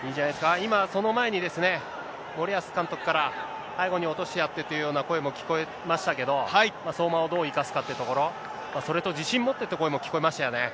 今、その前にですね、森保監督から、背後に落としてやってという声も聞こえましたけど、相馬をどう生かすかというところ、それと自信持ってという声も聞こえましたよね。